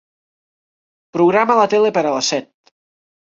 Programa la tele per a les set.